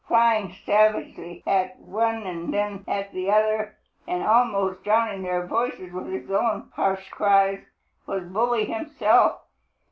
Flying savagely at one and then at the other, and almost drowning their voices with his own harsh cries, was Bully himself.